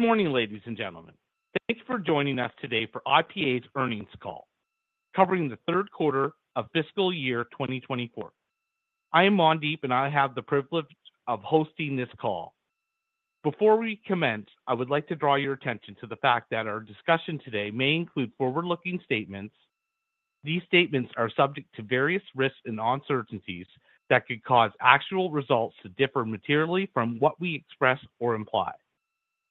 Good morning, ladies and gentlemen. Thanks for joining us today for IPA's earnings call, covering the third quarter of fiscal year 2024. I am Mandeep, and I have the privilege of hosting this call. Before we commence, I would like to draw your attention to the fact that our discussion today may include forward-looking statements. These statements are subject to various risks and uncertainties that could cause actual results to differ materially from what we express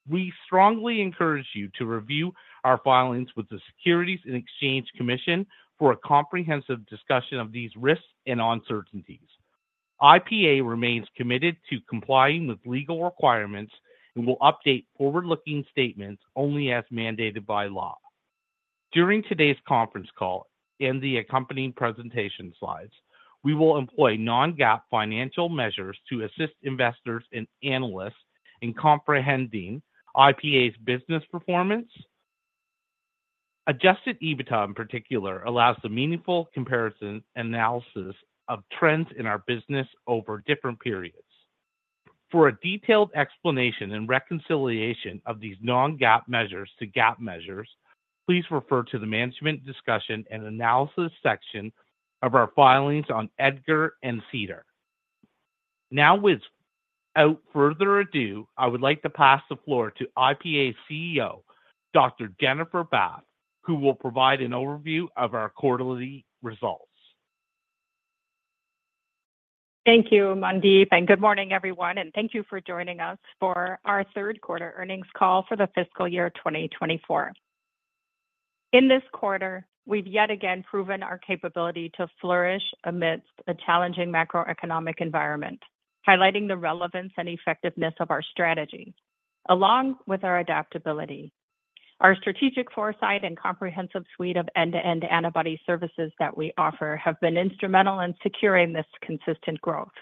or imply. We strongly encourage you to review our filings with the Securities and Exchange Commission for a comprehensive discussion of these risks and uncertainties. IPA remains committed to complying with legal requirements and will update forward-looking statements only as mandated by law. During today's conference call and the accompanying presentation slides, we will employ non-GAAP financial measures to assist investors and analysts in comprehending IPA's business performance. Adjusted EBITDA, in particular, allows a meaningful comparison analysis of trends in our business over different periods. For a detailed explanation and reconciliation of these non-GAAP measures to GAAP measures, please refer to the Management Discussion and Analysis section of our filings on EDGAR and SEDAR. Now, without further ado, I would like to pass the floor to IPA CEO, Dr. Jennifer Bath, who will provide an overview of our quarterly results. Thank you, Mandeep, and good morning, everyone, and thank you for joining us for our third quarter earnings call for the fiscal year 2024. In this quarter, we've yet again proven our capability to flourish amidst a challenging macroeconomic environment, highlighting the relevance and effectiveness of our strategy, along with our adaptability. Our strategic foresight and comprehensive suite of end-to-end antibody services that we offer have been instrumental in securing this consistent growth.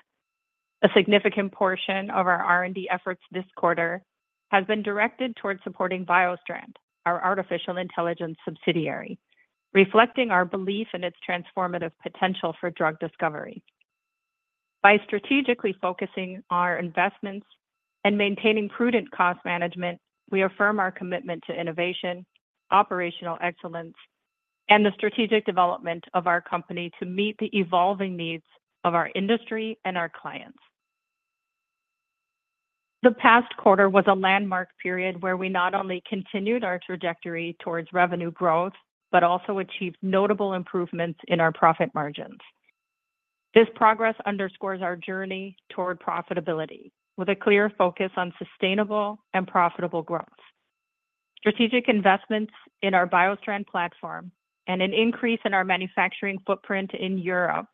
A significant portion of our R&D efforts this quarter has been directed toward supporting BioStrand, our artificial intelligence subsidiary, reflecting our belief in its transformative potential for drug discovery. By strategically focusing our investments and maintaining prudent cost management, we affirm our commitment to innovation, operational excellence, and the strategic development of our company to meet the evolving needs of our industry and our clients. The past quarter was a landmark period where we not only continued our trajectory towards revenue growth but also achieved notable improvements in our profit margins. This progress underscores our journey toward profitability, with a clear focus on sustainable and profitable growth. Strategic investments in our BioStrand platform and an increase in our manufacturing footprint in Europe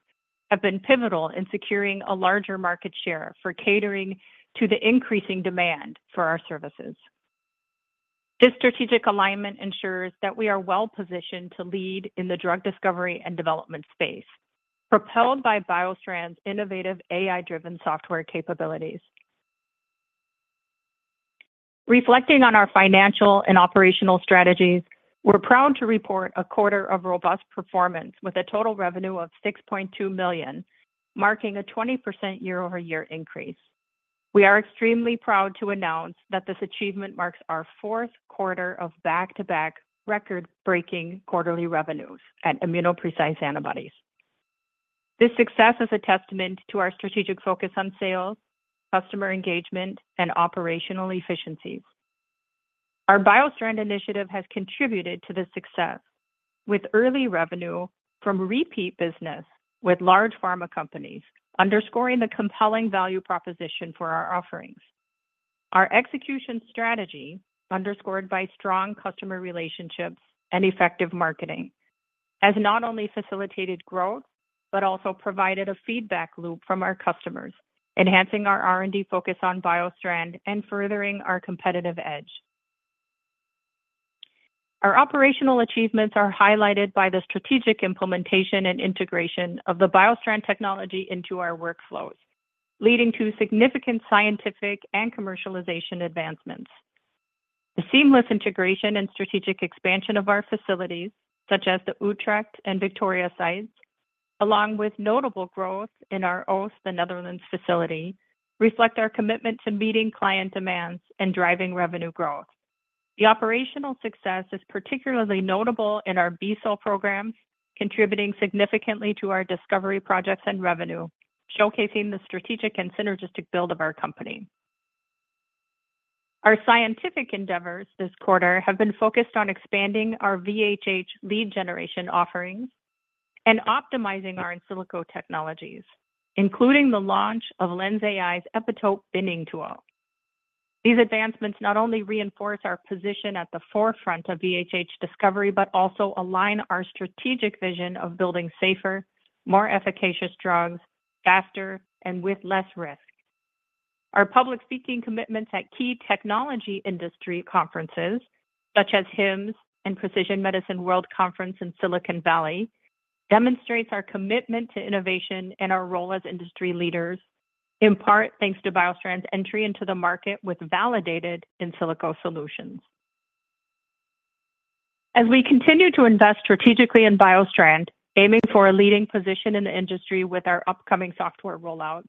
have been pivotal in securing a larger market share for catering to the increasing demand for our services. This strategic alignment ensures that we are well-positioned to lead in the drug discovery and development space, propelled by BioStrand's innovative AI-driven software capabilities. Reflecting on our financial and operational strategies, we're proud to report a quarter of robust performance with a total revenue of $6.2 million, marking a 20% year-over-year increase. We are extremely proud to announce that this achievement marks our fourth quarter of back-to-back record-breaking quarterly revenues at ImmunoPrecise Antibodies. This success is a testament to our strategic focus on sales, customer engagement, and operational efficiencies. Our BioStrand initiative has contributed to this success, with early revenue from repeat business with large pharma companies underscoring the compelling value proposition for our offerings. Our execution strategy, underscored by strong customer relationships and effective marketing, has not only facilitated growth but also provided a feedback loop from our customers, enhancing our R&D focus on BioStrand and furthering our competitive edge. Our operational achievements are highlighted by the strategic implementation and integration of the BioStrand technology into our workflows, leading to significant scientific and commercialization advancements. The seamless integration and strategic expansion of our facilities, such as the Utrecht and Victoria sites, along with notable growth in our Oss, the Netherlands facility, reflect our commitment to meeting client demands and driving revenue growth. The operational success is particularly notable in our B cell programs, contributing significantly to our discovery projects and revenue, showcasing the strategic and synergistic build of our company. Our scientific endeavors this quarter have been focused on expanding our VHH lead generation offerings and optimizing our in silico technologies, including the launch of LENSai's epitope binding tool. These advancements not only reinforce our position at the forefront of VHH discovery but also align our strategic vision of building safer, more efficacious drugs, faster, and with less risk. Our public speaking commitments at key technology industry conferences, such as HIMSS and Precision Medicine World Conference in Silicon Valley, demonstrate our commitment to innovation and our role as industry leaders, in part thanks to BioStrand's entry into the market with validated in silico solutions. As we continue to invest strategically in BioStrand, aiming for a leading position in the industry with our upcoming software rollouts,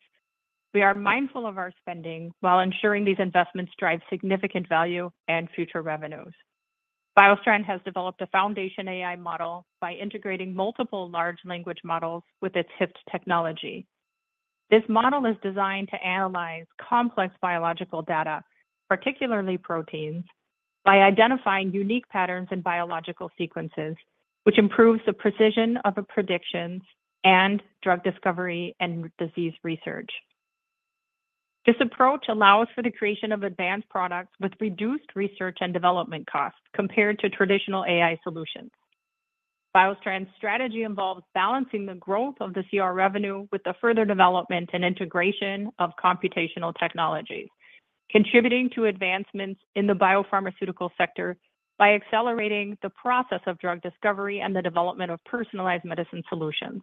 we are mindful of our spending while ensuring these investments drive significant value and future revenues. BioStrand has developed a foundation AI model by integrating multiple large language models with its HYFT technology. This model is designed to analyze complex biological data, particularly proteins, by identifying unique patterns in biological sequences, which improves the precision of predictions and drug discovery and disease research. This approach allows for the creation of advanced products with reduced research and development costs compared to traditional AI solutions. BioStrand's strategy involves balancing the growth of the CRO revenue with the further development and integration of computational technologies, contributing to advancements in the biopharmaceutical sector by accelerating the process of drug discovery and the development of personalized medicine solutions.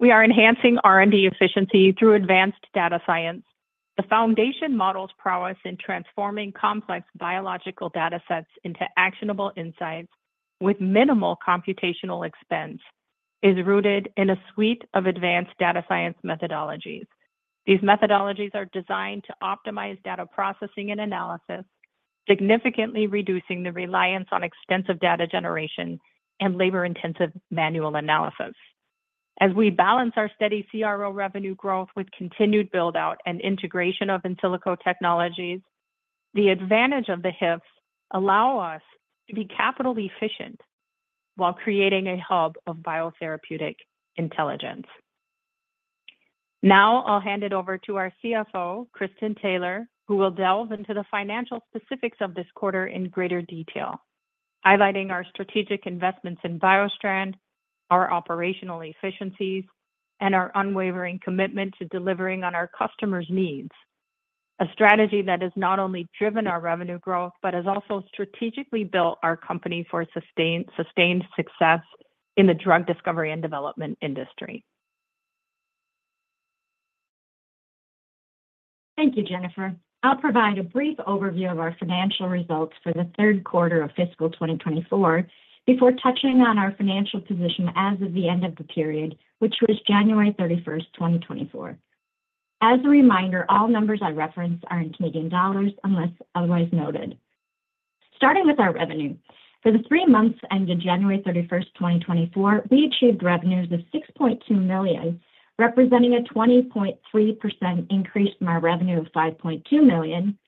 We are enhancing R&D efficiency through advanced data science. The foundation model's prowess in transforming complex biological datasets into actionable insights with minimal computational expense is rooted in a suite of advanced data science methodologies. These methodologies are designed to optimize data processing and analysis, significantly reducing the reliance on extensive data generation and labor-intensive manual analysis. As we balance our steady CRO revenue growth with continued buildout and integration of in silico technologies, the advantage of the HYFTs allows us to be capital efficient while creating a hub of biotherapeutic intelligence. Now I'll hand it over to our CFO, Kristin Taylor, who will delve into the financial specifics of this quarter in greater detail, highlighting our strategic investments in BioStrand, our operational efficiencies, and our unwavering commitment to delivering on our customers' needs, a strategy that has not only driven our revenue growth but has also strategically built our company for sustained success in the drug discovery and development industry. Thank you, Jennifer. I'll provide a brief overview of our financial results for the third quarter of fiscal 2024 before touching on our financial position as of the end of the period, which was January 31st, 2024. As a reminder, all numbers I reference are in Canadian dollars unless otherwise noted. Starting with our revenue, for the three months ended January 31st, 2024, we achieved revenues of 6.2 million, representing a 20.3% increase from our revenue of 5.2 million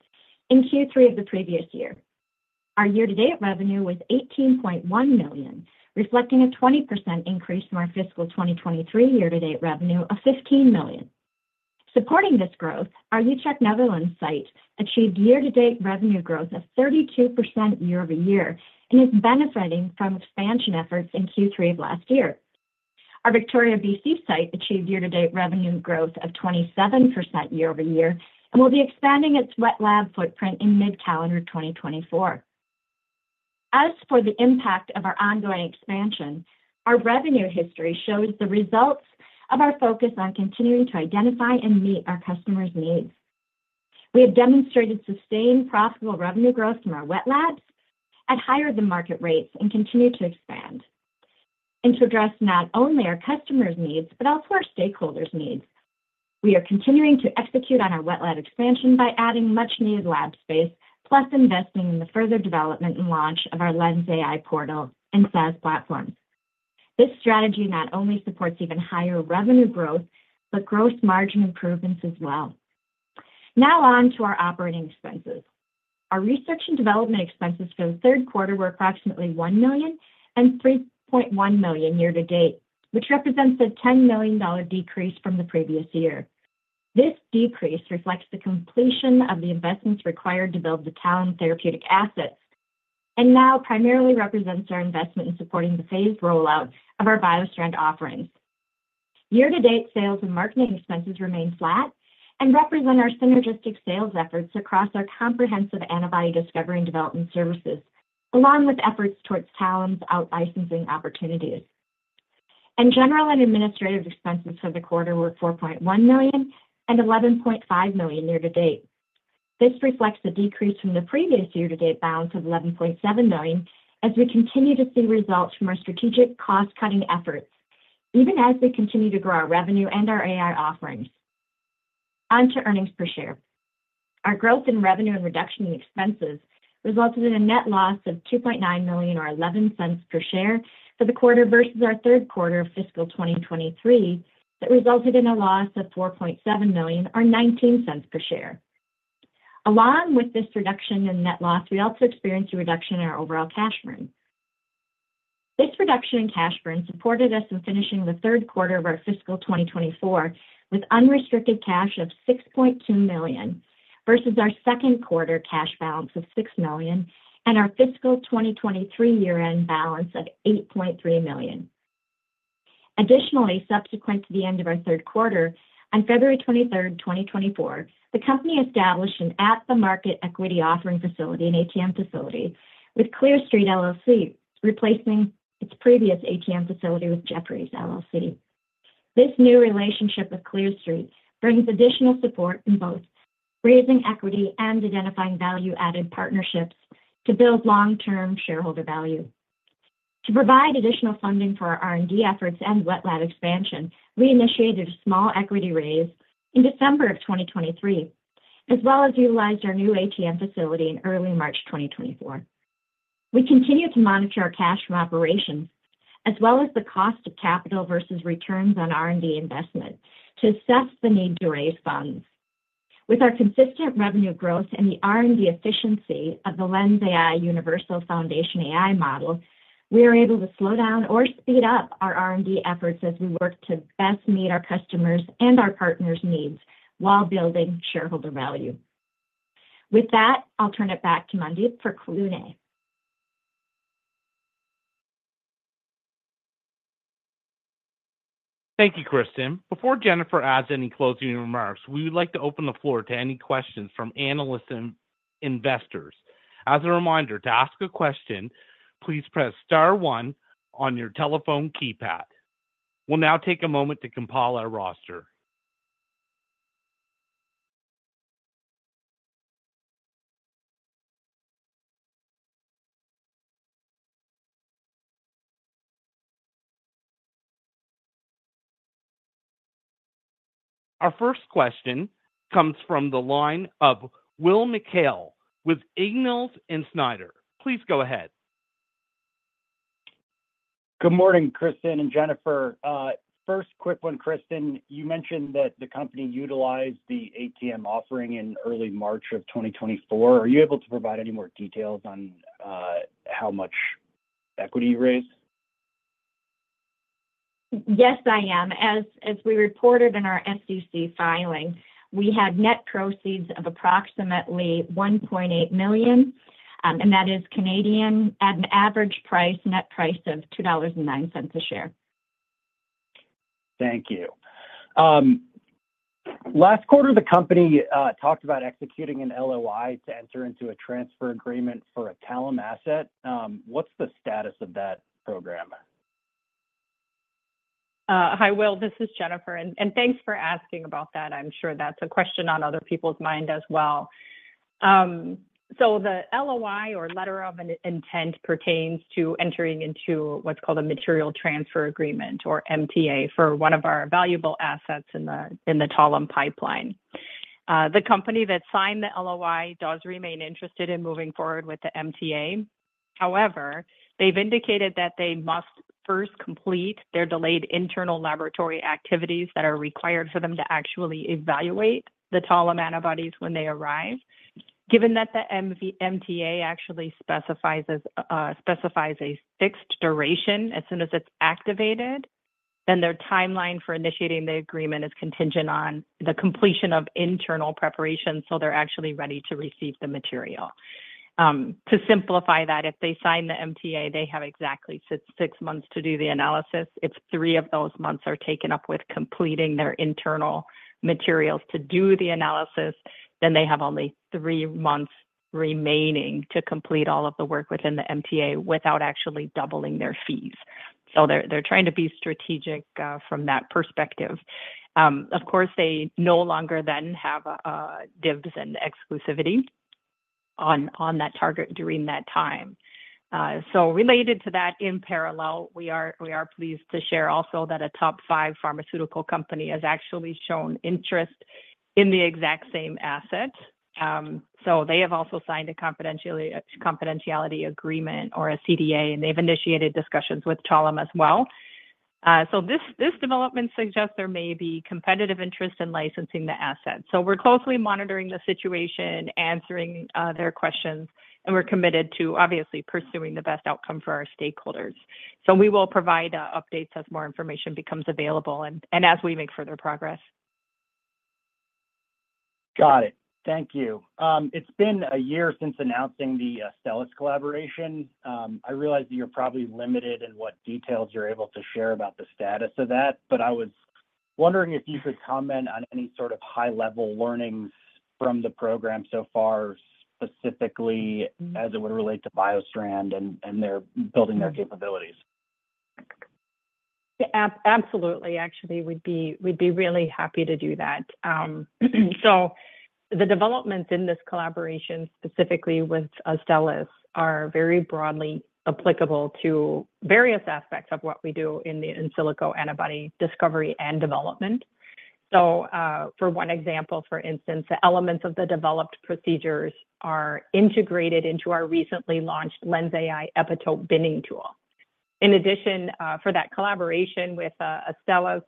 in Q3 of the previous year. Our year-to-date revenue was 18.1 million, reflecting a 20% increase from our fiscal 2023 year-to-date revenue of 15 million. Supporting this growth, our Utrecht, Netherlands site achieved year-to-date revenue growth of 32% year-over-year and is benefiting from expansion efforts in Q3 of last year. Our Victoria, BC site achieved year-to-date revenue growth of 27% year-over-year and will be expanding its wet lab footprint in mid-calendar 2024. As for the impact of our ongoing expansion, our revenue history shows the results of our focus on continuing to identify and meet our customers' needs. We have demonstrated sustained profitable revenue growth from our wet labs at higher-than-market rates and continue to expand to address not only our customers' needs but also our stakeholders' needs. We are continuing to execute on our wet lab expansion by adding much-needed lab space, plus investing in the further development and launch of our LENSai portal and SaaS platforms. This strategy not only supports even higher revenue growth but gross margin improvements as well. Now on to our operating expenses. Our research and development expenses for the third quarter were approximately $1 million and $3.1 million year-to-date, which represents a $10 million decrease from the previous year. This decrease reflects the completion of the investments required to build the Talem therapeutic assets and now primarily represents our investment in supporting the phased rollout of our BioStrand offerings. Year-to-date sales and marketing expenses remain flat and represent our synergistic sales efforts across our comprehensive antibody discovery and development services, along with efforts towards Talem's out-licensing opportunities. General and administrative expenses for the quarter were $4.1 million and $11.5 million year-to-date. This reflects a decrease from the previous year-to-date balance of $11.7 million as we continue to see results from our strategic cost-cutting efforts, even as we continue to grow our revenue and our AI offerings. On to earnings per share. Our growth in revenue and reduction in expenses resulted in a net loss of $2.9 million or $0.11 per share for the quarter versus our third quarter of fiscal 2023 that resulted in a loss of $4.7 million or $0.19 per share. Along with this reduction in net loss, we also experienced a reduction in our overall cash burn. This reduction in cash burn supported us in finishing the third quarter of our fiscal 2024 with unrestricted cash of $6.2 million versus our second quarter cash balance of $6 million and our fiscal 2023 year-end balance of $8.3 million. Additionally, subsequent to the end of our third quarter, on February 23rd, 2024, the company established an at-the-market equity offering facility, an ATM facility, with Clear Street LLC, replacing its previous ATM facility with Jefferies LLC. This new relationship with Clear Street brings additional support in both raising equity and identifying value-added partnerships to build long-term shareholder value. To provide additional funding for our R&D efforts and wet lab expansion, we initiated a small equity raise in December of 2023, as well as utilized our new ATM facility in early March 2024. We continue to monitor our cash from operations, as well as the cost of capital versus returns on R&D investment to assess the need to raise funds. With our consistent revenue growth and the R&D efficiency of the LENSai Universal Foundation AI model, we are able to slow down or speed up our R&D efforts as we work to best meet our customers' and our partners' needs while building shareholder value. With that, I'll turn it back to Mandeep for Q&A. Thank you, Kristin. Before Jennifer adds any closing remarks, we would like to open the floor to any questions from analysts and investors. As a reminder, to ask a question, please press star one on your telephone keypad. We'll now take a moment to compile our roster. Our first question comes from the line of Will McHale with Ingalls & Snyder. Please go ahead. Good morning, Kristin and Jennifer. First, quick one, Kristin. You mentioned that the company utilized the ATM offering in early March of 2024. Are you able to provide any more details on how much equity you raised? Yes, I am. As we reported in our SEC filing, we had net proceeds of approximately 1.8 million, and that is Canadian at an average net price of 2.09 dollars a share. Thank you. Last quarter, the company talked about executing an LOI to enter into a transfer agreement for a Talem asset. What's the status of that program? Hi, Will. This is Jennifer. And thanks for asking about that. I'm sure that's a question on other people's mind as well. So the LOI or letter of intent pertains to entering into what's called a material transfer agreement or MTA for one of our valuable assets in the Talem pipeline. The company that signed the LOI does remain interested in moving forward with the MTA. However, they've indicated that they must first complete their delayed internal laboratory activities that are required for them to actually evaluate the Talem antibodies when they arrive. Given that the MTA actually specifies a fixed duration as soon as it's activated, then their timeline for initiating the agreement is contingent on the completion of internal preparation so they're actually ready to receive the material. To simplify that, if they sign the MTA, they have exactly six months to do the analysis. If three of those months are taken up with completing their internal materials to do the analysis, then they have only three months remaining to complete all of the work within the MTA without actually doubling their fees. So they're trying to be strategic from that perspective. Of course, they no longer then have dibs and exclusivity during that time. So related to that in parallel, we are pleased to share also that a top five pharmaceutical company has actually shown interest in the exact same asset. So they have also signed a confidentiality agreement or a CDA, and they've initiated discussions with Talem as well. So this development suggests there may be competitive interest in licensing the asset. So we're closely monitoring the situation, answering their questions, and we're committed to, obviously, pursuing the best outcome for our stakeholders. So we will provide updates as more information becomes available and as we make further progress. Got it. Thank you. It's been a year since announcing the Astellas collaboration. I realize that you're probably limited in what details you're able to share about the status of that, but I was wondering if you could comment on any sort of high-level learnings from the program so far, specifically as it would relate to BioStrand and building their capabilities. Absolutely, actually. We'd be really happy to do that. The developments in this collaboration, specifically with Astellas, are very broadly applicable to various aspects of what we do in the in silico antibody discovery and development. For one example, for instance, the elements of the developed procedures are integrated into our recently launched LENSai epitope binding tool. In addition, for that collaboration with Astellas,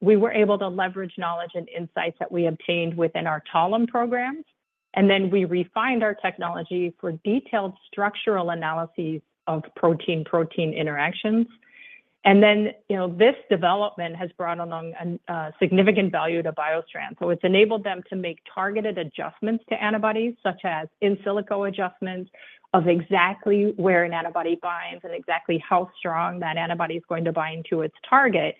we were able to leverage knowledge and insights that we obtained within our Talem programs, and then we refined our technology for detailed structural analyses of protein-protein interactions. This development has brought along significant value to BioStrand. It's enabled them to make targeted adjustments to antibodies, such as in silico adjustments of exactly where an antibody binds and exactly how strong that antibody is going to bind to its target.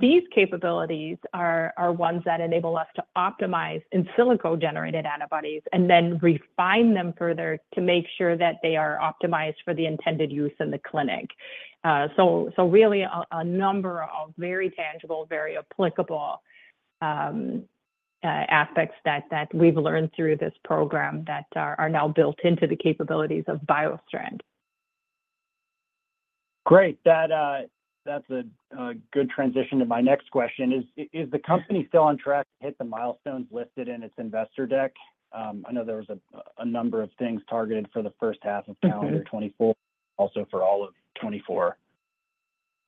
These capabilities are ones that enable us to optimize in silico-generated antibodies and then refine them further to make sure that they are optimized for the intended use in the clinic. Really, a number of very tangible, very applicable aspects that we've learned through this program that are now built into the capabilities of BioStrand. Great. That's a good transition to my next question. Is the company still on track to hit the milestones listed in its investor deck? I know there was a number of things targeted for the first half of calendar 2024, also for all of 2024.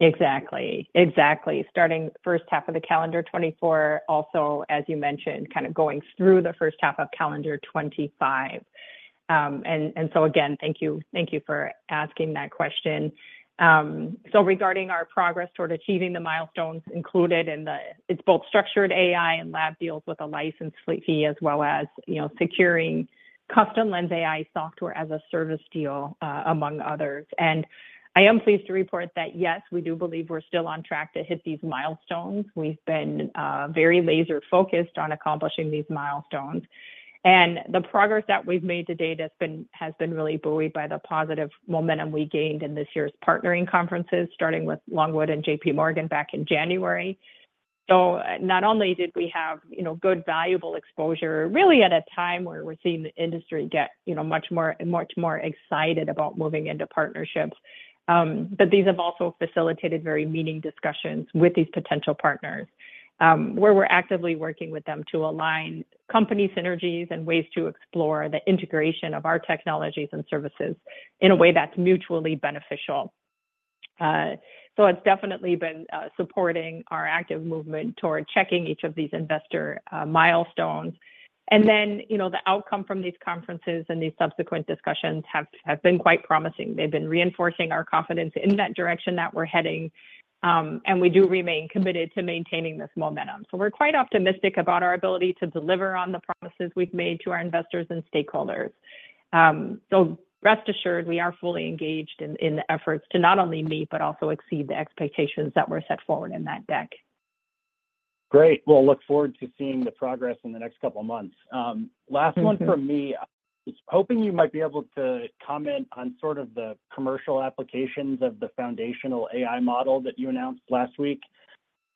Exactly. Exactly. Starting first half of the calendar 2024, also, as you mentioned, kind of going through the first half of calendar 2025. And so again, thank you for asking that question. So regarding our progress toward achieving the milestones included in the it's both structured AI and lab deals with a license fee, as well as securing custom LENSai software as a service deal, among others. And I am pleased to report that, yes, we do believe we're still on track to hit these milestones. We've been very laser-focused on accomplishing these milestones. And the progress that we've made to date has been really buoyed by the positive momentum we gained in this year's partnering conferences, starting with Longwood and JPMorgan back in January. So not only did we have good, valuable exposure, really at a time where we're seeing the industry get much more excited about moving into partnerships, but these have also facilitated very meaningful discussions with these potential partners, where we're actively working with them to align company synergies and ways to explore the integration of our technologies and services in a way that's mutually beneficial. So it's definitely been supporting our active movement toward checking each of these investor milestones. And then the outcome from these conferences and these subsequent discussions have been quite promising. They've been reinforcing our confidence in that direction that we're heading, and we do remain committed to maintaining this momentum. So we're quite optimistic about our ability to deliver on the promises we've made to our investors and stakeholders. So rest assured, we are fully engaged in the efforts to not only meet but also exceed the expectations that were set forward in that deck. Great. We'll look forward to seeing the progress in the next couple of months. Last one from me. Hoping you might be able to comment on sort of the commercial applications of the foundational AI model that you announced last week.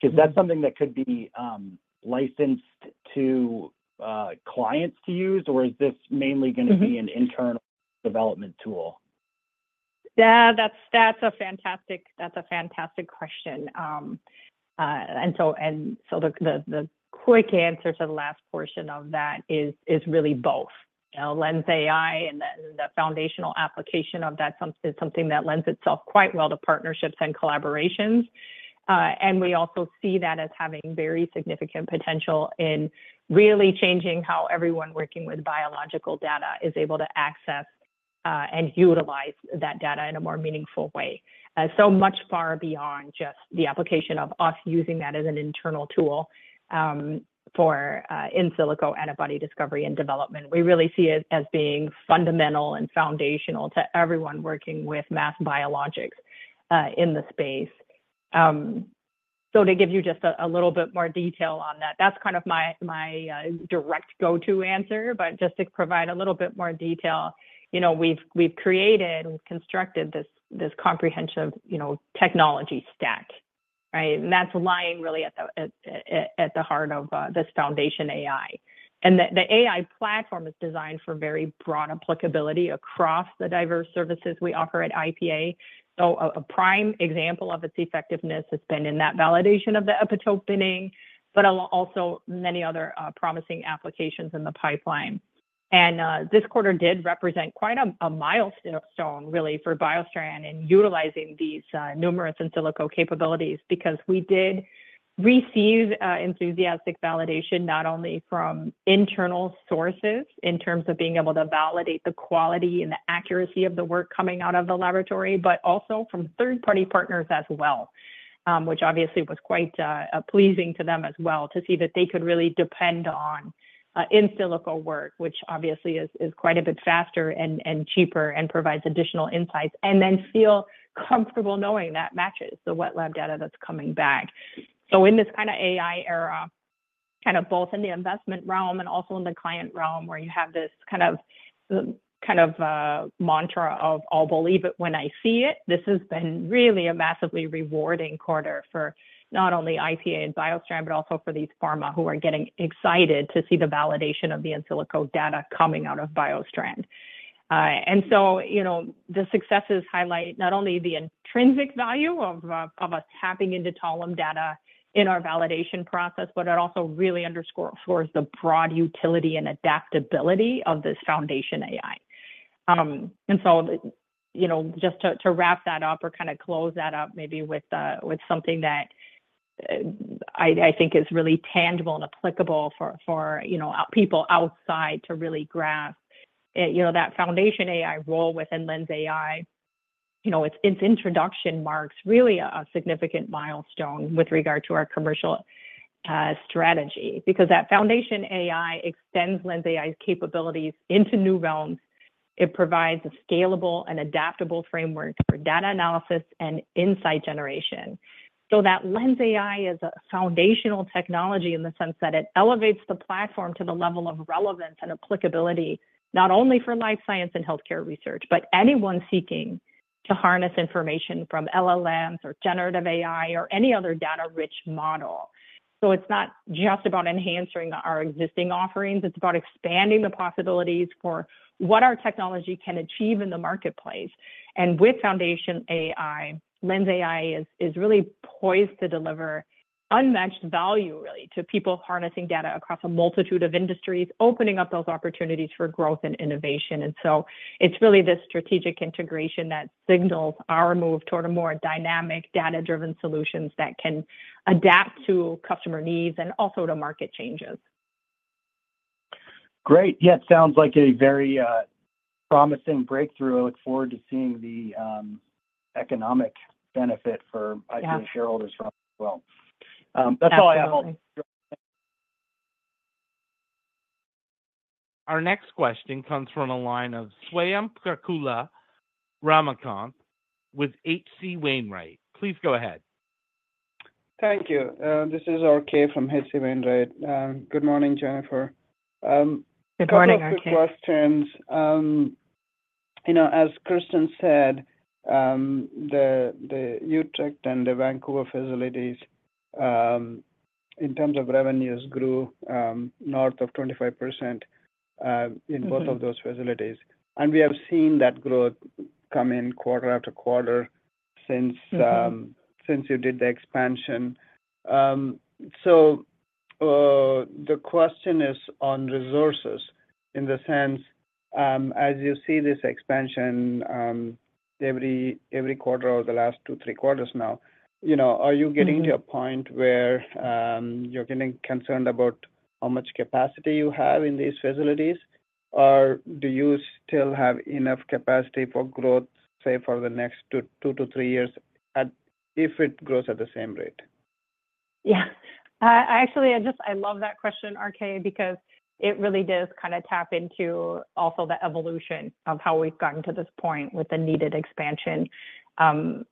Is that something that could be licensed to clients to use, or is this mainly going to be an internal development tool? Yeah, that's a fantastic question. So the quick answer to the last portion of that is really both. LENSai and the foundational application of that is something that lends itself quite well to partnerships and collaborations. We also see that as having very significant potential in really changing how everyone working with biological data is able to access and utilize that data in a more meaningful way. So much far beyond just the application of us using that as an internal tool for in silico antibody discovery and development. We really see it as being fundamental and foundational to everyone working with mass biologics in the space. So to give you just a little bit more detail on that, that's kind of my direct go-to answer. But just to provide a little bit more detail, we've created, we've constructed this comprehensive technology stack, right? That's lying really at the heart of this foundation AI. The AI platform is designed for very broad applicability across the diverse services we offer at IPA. A prime example of its effectiveness has been in that validation of the epitope binding, but also many other promising applications in the pipeline. This quarter did represent quite a milestone, really, for BioStrand in utilizing these numerous in silico capabilities because we did receive enthusiastic validation not only from internal sources in terms of being able to validate the quality and the accuracy of the work coming out of the laboratory, but also from third-party partners as well, which obviously was quite pleasing to them as well to see that they could really depend on in silico work, which obviously is quite a bit faster and cheaper and provides additional insights, and then feel comfortable knowing that matches the wet lab data that's coming back. So in this kind of AI era, kind of both in the investment realm and also in the client realm, where you have this kind of mantra of, "I'll believe it when I see it," this has been really a massively rewarding quarter for not only IPA and BioStrand, but also for these pharma who are getting excited to see the validation of the in silico data coming out of BioStrand. And so the successes highlight not only the intrinsic value of us tapping into Talem data in our validation process, but it also really underscores the broad utility and adaptability of this foundation AI. Just to wrap that up or kind of close that up maybe with something that I think is really tangible and applicable for people outside to really grasp, that foundation AI role within LENSai, its introduction marks really a significant milestone with regard to our commercial strategy because that foundation AI extends LENSai's capabilities into new realms. It provides a scalable and adaptable framework for data analysis and insight generation. So that LENSai is a foundational technology in the sense that it elevates the platform to the level of relevance and applicability not only for life science and healthcare research, but anyone seeking to harness information from LLMs or generative AI or any other data-rich model. So it's not just about enhancing our existing offerings. It's about expanding the possibilities for what our technology can achieve in the marketplace. With foundation AI, LENSai is really poised to deliver unmatched value, really, to people harnessing data across a multitude of industries, opening up those opportunities for growth and innovation. So it's really this strategic integration that signals our move toward a more dynamic, data-driven solutions that can adapt to customer needs and also to market changes. Great. Yeah, it sounds like a very promising breakthrough. I look forward to seeing the economic benefit for IPA shareholders from it as well. That's all I have on. Our next question comes from a line of Swayampakula Ramakanth with H.C. Wainwright. Please go ahead. Thank you. This is R.K. from H.C. Wainwright. Good morning, Jennifer. Good morning, R.K. A couple of quick questions. As Kristin said, the Utrecht and the Victoria facilities, in terms of revenues, grew north of 25% in both of those facilities. We have seen that growth come in quarter-after-quarter since you did the expansion. The question is on resources in the sense, as you see this expansion every quarter or the last two, three quarters now, are you getting to a point where you're getting concerned about how much capacity you have in these facilities, or do you still have enough capacity for growth, say, for the next two to three years if it grows at the same rate? Yeah. Actually, I love that question, RK, because it really does kind of tap into also the evolution of how we've gotten to this point with the needed expansion.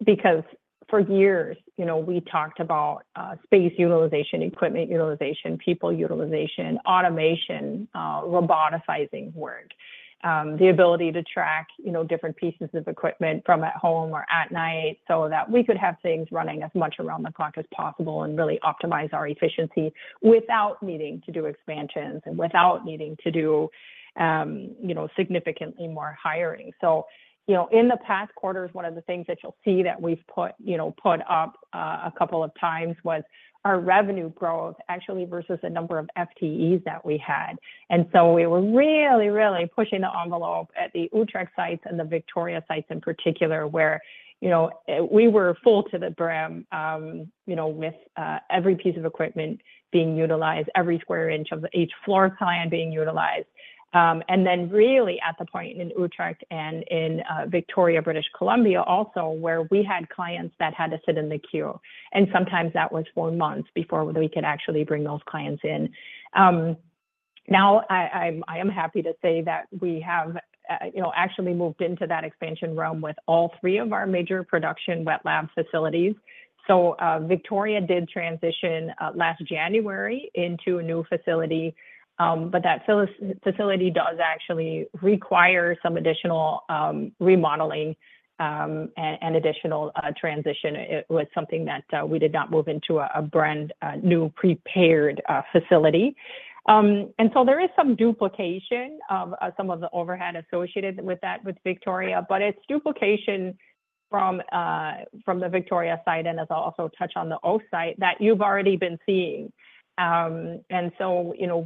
Because for years, we talked about space utilization, equipment utilization, people utilization, automation, roboticizing work, the ability to track different pieces of equipment from at home or at night so that we could have things running as much around the clock as possible and really optimize our efficiency without needing to do expansions and without needing to do significantly more hiring. So in the past quarters, one of the things that you'll see that we've put up a couple of times was our revenue growth, actually, versus the number of FTEs that we had. And so we were really, really pushing the envelope at the Utrecht sites and the Victoria sites in particular, where we were full to the brim with every piece of equipment being utilized, every square inch of each floor client being utilized. And then really at the point in Utrecht and in Victoria, British Columbia also, where we had clients that had to sit in the queue. And sometimes that was four months before we could actually bring those clients in. Now, I am happy to say that we have actually moved into that expansion realm with all three of our major production wet lab facilities. So Victoria did transition last January into a new facility, but that facility does actually require some additional remodeling and additional transition. It was something that we did not move into a brand new prepared facility. There is some duplication of some of the overhead associated with that with Victoria, but it's duplication from the Victoria site and, as I also touched on, the Oss site that you've already been seeing.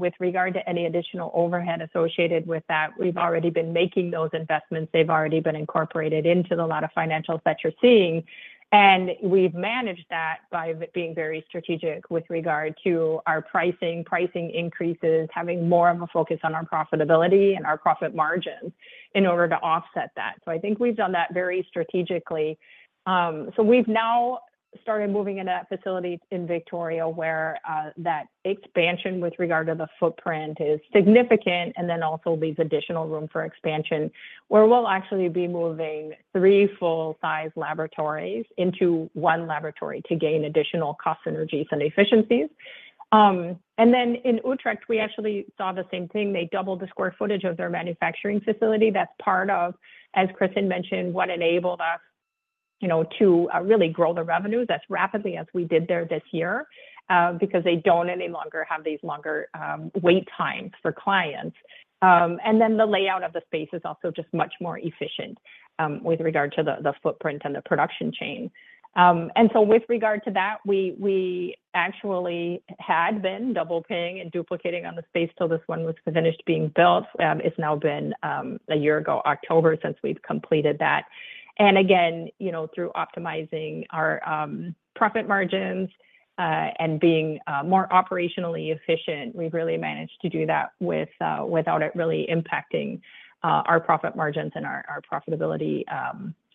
With regard to any additional overhead associated with that, we've already been making those investments. They've already been incorporated into a lot of financials that you're seeing. We've managed that by being very strategic with regard to our pricing, pricing increases, having more of a focus on our profitability and our profit margins in order to offset that. I think we've done that very strategically. So we've now started moving into that facility in Victoria where that expansion with regard to the footprint is significant and then also leaves additional room for expansion, where we'll actually be moving three full-size laboratories into one laboratory to gain additional cost synergies and efficiencies. And then in Utrecht, we actually saw the same thing. They doubled the square footage of their manufacturing facility. That's part of, as Kristin mentioned, what enabled us to really grow the revenues as rapidly as we did there this year because they don't any longer have these longer wait times for clients. And then the layout of the space is also just much more efficient with regard to the footprint and the production chain. And so with regard to that, we actually had been double-paying and duplicating on the space till this one was finished being built. It's now been a year ago, October, since we've completed that. Again, through optimizing our profit margins and being more operationally efficient, we've really managed to do that without it really impacting our profit margins and our profitability,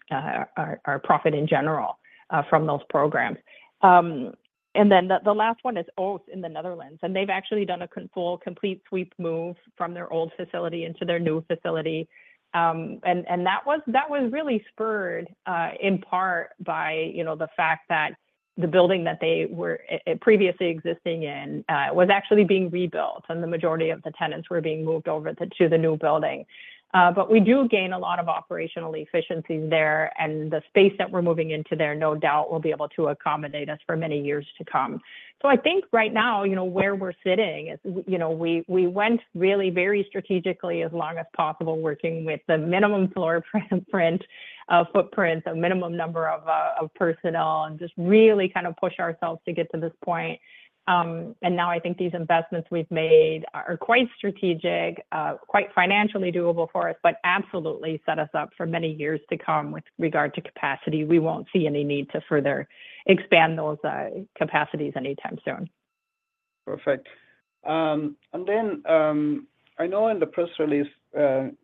our profit in general from those programs. Then the last one is Oss in the Netherlands. They've actually done a full, complete sweep move from their old facility into their new facility. That was really spurred in part by the fact that the building that they were previously existing in was actually being rebuilt, and the majority of the tenants were being moved over to the new building. But we do gain a lot of operational efficiencies there, and the space that we're moving into there, no doubt, will be able to accommodate us for many years to come. So I think right now, where we're sitting is we went really very strategically as long as possible, working with the minimum footprint, a minimum number of personnel, and just really kind of push ourselves to get to this point. And now I think these investments we've made are quite strategic, quite financially doable for us, but absolutely set us up for many years to come with regard to capacity. We won't see any need to further expand those capacities anytime soon. Perfect. And then I know in the press release,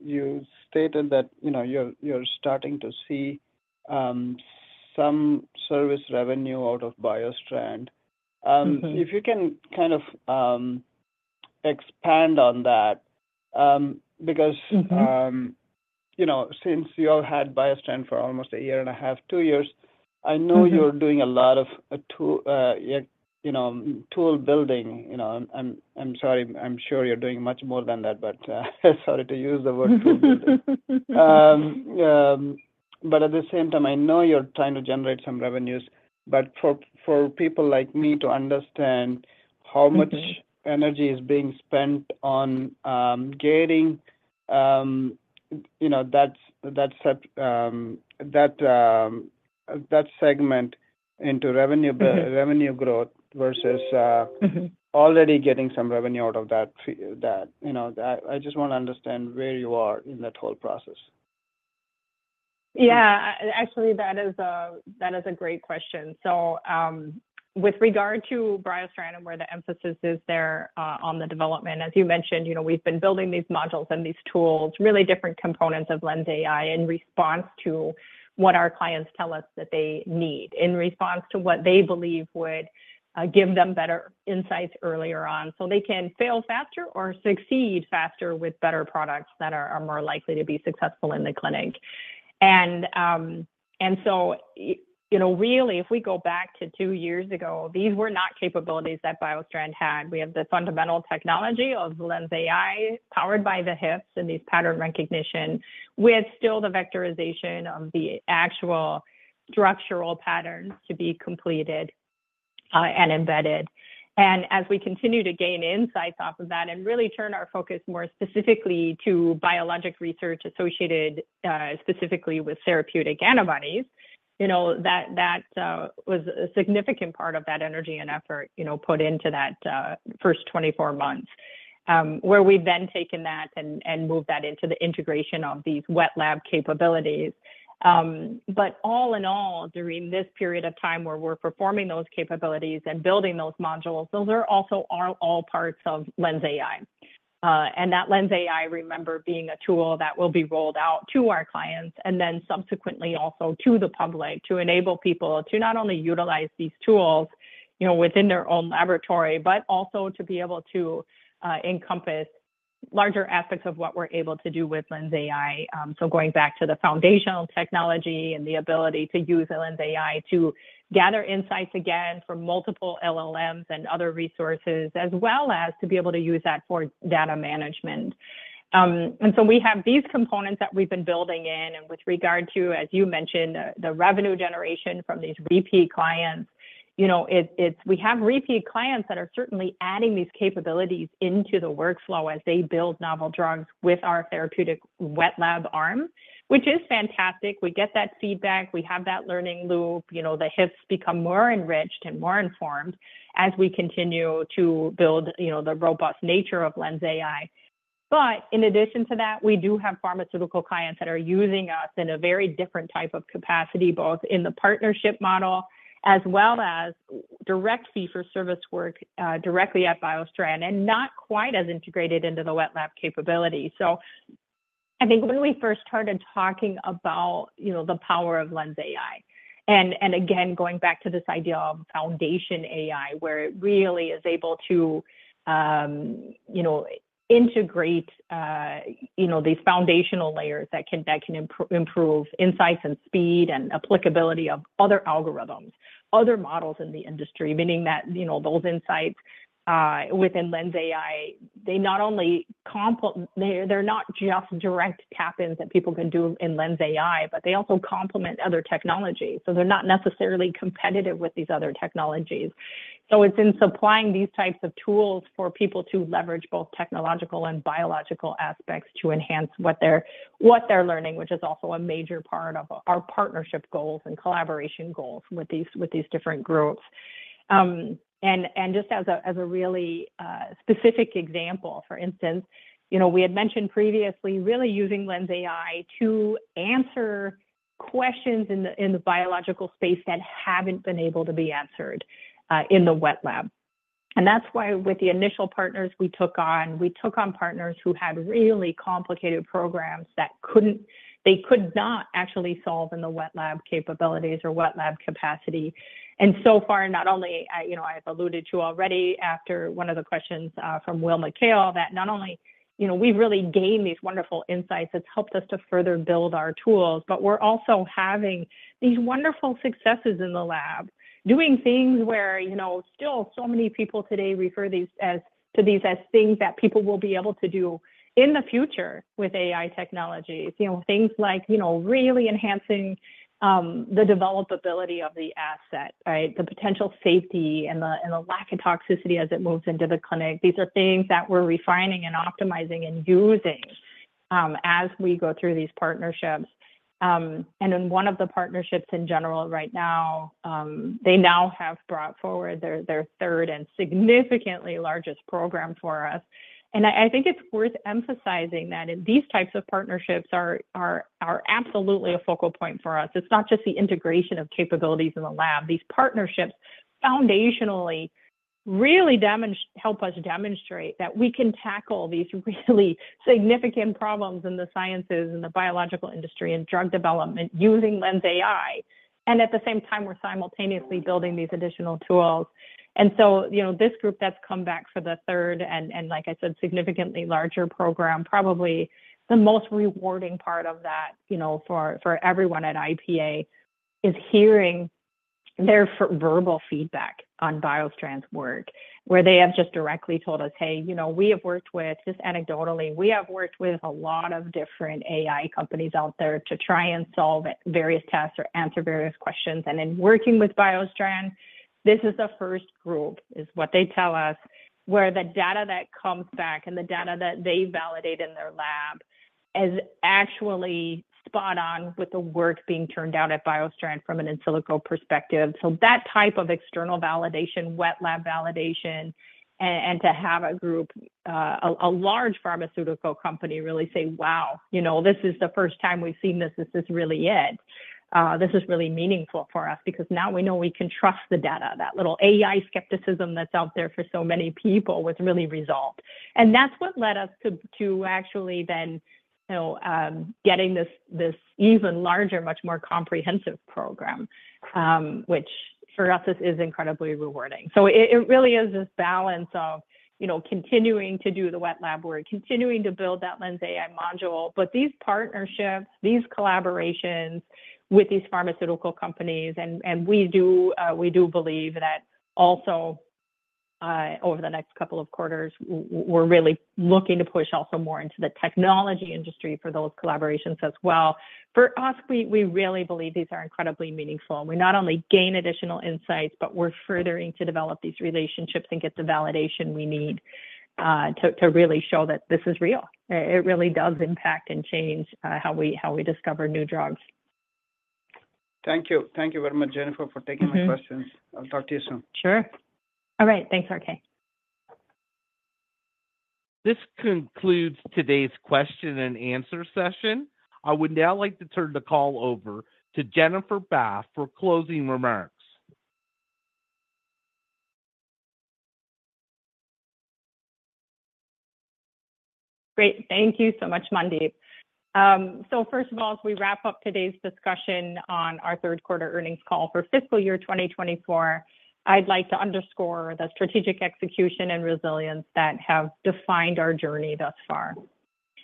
you stated that you're starting to see some service revenue out of BioStrand. If you can kind of expand on that because since you all had BioStrand for almost a year and a half, two years, I know you're doing a lot of tool building. I'm sorry. I'm sure you're doing much more than that, but sorry to use the word tool building. But at the same time, I know you're trying to generate some revenues. But for people like me to understand how much energy is being spent on getting that segment into revenue growth versus already getting some revenue out of that, I just want to understand where you are in that whole process. Yeah. Actually, that is a great question. So with regard to BioStrand and where the emphasis is there on the development, as you mentioned, we've been building these modules and these tools, really different components of LENSai in response to what our clients tell us that they need, in response to what they believe would give them better insights earlier on so they can fail faster or succeed faster with better products that are more likely to be successful in the clinic. And so really, if we go back to two years ago, these were not capabilities that BioStrand had. We have the fundamental technology of LENSai powered by the HYFT and these pattern recognition with still the vectorization of the actual structural patterns to be completed and embedded. As we continue to gain insights off of that and really turn our focus more specifically to biologic research associated specifically with therapeutic antibodies, that was a significant part of that energy and effort put into that first 24 months, where we've then taken that and moved that into the integration of these wet lab capabilities. All in all, during this period of time where we're performing those capabilities and building those modules, those are also all parts of LENSai. That LENSai, remember, being a tool that will be rolled out to our clients and then subsequently also to the public to enable people to not only utilize these tools within their own laboratory but also to be able to encompass larger aspects of what we're able to do with LENSai. So going back to the foundational technology and the ability to use LENSai to gather insights again from multiple LLMs and other resources, as well as to be able to use that for data management. And so we have these components that we've been building in. And with regard to, as you mentioned, the revenue generation from these repeat clients, we have repeat clients that are certainly adding these capabilities into the workflow as they build novel drugs with our therapeutic wet lab arm, which is fantastic. We get that feedback. We have that learning loop. The HYFTs become more enriched and more informed as we continue to build the robust nature of LENSai. But in addition to that, we do have pharmaceutical clients that are using us in a very different type of capacity, both in the partnership model as well as direct fee-for-service work directly at BioStrand and not quite as integrated into the wet lab capabilities. So I think when we first started talking about the power of LENSai and again, going back to this idea of foundation AI, where it really is able to integrate these foundational layers that can improve insights and speed and applicability of other algorithms, other models in the industry, meaning that those insights within LENSai, they're not just direct tap-ins that people can do in LENSai, but they also complement other technologies. So they're not necessarily competitive with these other technologies. It's in supplying these types of tools for people to leverage both technological and biological aspects to enhance what they're learning, which is also a major part of our partnership goals and collaboration goals with these different groups. Just as a really specific example, for instance, we had mentioned previously really using LENSai to answer questions in the biological space that haven't been able to be answered in the wet lab. That's why with the initial partners we took on, we took on partners who had really complicated programs that they could not actually solve in the wet lab capabilities or wet lab capacity. So far, not only I've alluded to already after one of the questions from Will McHale that not only we've really gained these wonderful insights that's helped us to further build our tools, but we're also having these wonderful successes in the lab, doing things where still so many people today refer to these as things that people will be able to do in the future with AI technologies, things like really enhancing the developability of the asset, right, the potential safety and the lack of toxicity as it moves into the clinic. These are things that we're refining and optimizing and using as we go through these partnerships. In one of the partnerships in general right now, they now have brought forward their third and significantly largest program for us. I think it's worth emphasizing that these types of partnerships are absolutely a focal point for us. It's not just the integration of capabilities in the lab. These partnerships foundationally really help us demonstrate that we can tackle these really significant problems in the sciences and the biological industry and drug development using LENSai. At the same time, we're simultaneously building these additional tools. And so this group that's come back for the third and, like I said, significantly larger program, probably the most rewarding part of that for everyone at IPA is hearing their verbal feedback on BioStrand's work, where they have just directly told us, "Hey, we have worked with just anecdotally, we have worked with a lot of different AI companies out there to try and solve various tests or answer various questions." And in working with BioStrand, this is the first group is what they tell us, where the data that comes back and the data that they validate in their lab is actually spot-on with the work being turned out at BioStrand from an in silico perspective. So that type of external validation, wet lab validation, and to have a group, a large pharmaceutical company really say, "Wow, this is the first time we've seen this. This is really it. This is really meaningful for us because now we know we can trust the data." That little AI skepticism that's out there for so many people was really resolved. That's what led us to actually then getting this even larger, much more comprehensive program, which for us, this is incredibly rewarding. It really is this balance of continuing to do the wet lab work, continuing to build that LENSai module. But these partnerships, these collaborations with these pharmaceutical companies, and we do believe that also over the next couple of quarters, we're really looking to push also more into the technology industry for those collaborations as well. For us, we really believe these are incredibly meaningful. We not only gain additional insights, but we're furthering to develop these relationships and get the validation we need to really show that this is real. It really does impact and change how we discover new drugs. Thank you. Thank you very much, Jennifer, for taking my questions. I'll talk to you soon. Sure. All right. Thanks, RK. This concludes today's question and answer session. I would now like to turn the call over to Jennifer Bath for closing remarks. Great. Thank you so much, Mandeep. First of all, as we wrap up today's discussion on our third-quarter earnings call for fiscal year 2024, I'd like to underscore the strategic execution and resilience that have defined our journey thus far.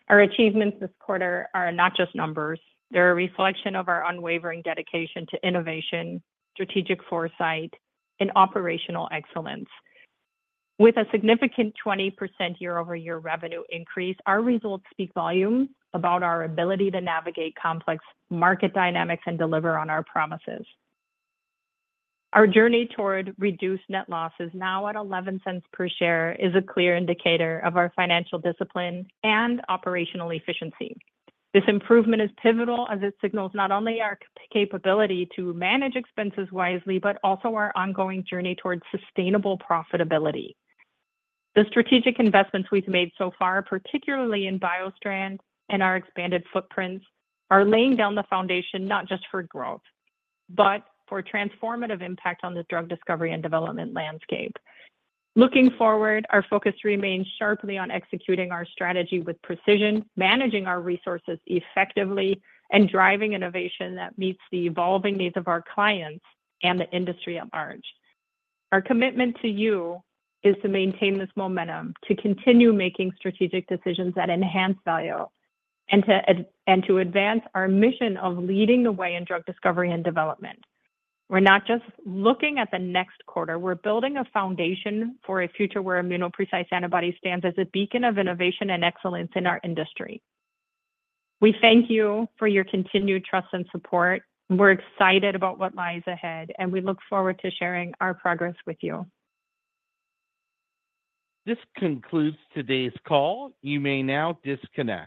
Our achievements this quarter are not just numbers. They're a reflection of our unwavering dedication to innovation, strategic foresight, and operational excellence. With a significant 20% year-over-year revenue increase, our results speak volumes about our ability to navigate complex market dynamics and deliver on our promises. Our journey toward reduced net losses now at $0.11 per share is a clear indicator of our financial discipline and operational efficiency. This improvement is pivotal as it signals not only our capability to manage expenses wisely but also our ongoing journey toward sustainable profitability. The strategic investments we've made so far, particularly in BioStrand and our expanded footprints, are laying down the foundation not just for growth but for transformative impact on the drug discovery and development landscape. Looking forward, our focus remains sharply on executing our strategy with precision, managing our resources effectively, and driving innovation that meets the evolving needs of our clients and the industry at large. Our commitment to you is to maintain this momentum, to continue making strategic decisions that enhance value, and to advance our mission of leading the way in drug discovery and development. We're not just looking at the next quarter. We're building a foundation for a future where ImmunoPrecise Antibodies stand as a beacon of innovation and excellence in our industry. We thank you for your continued trust and support. We're excited about what lies ahead, and we look forward to sharing our progress with you. This concludes today's call. You may now disconnect.